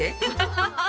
ハハハハハ！